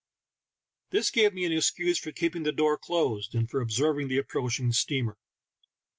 This gave me an excuse for keeping the door closed and for observing the approaching steamer.